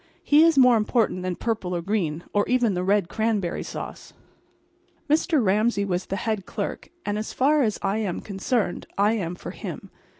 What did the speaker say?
He is more important than purple or green, or even the red cranberry sauce. Mr. Ramsay was the head clerk; and as far as I am concerned I am for him.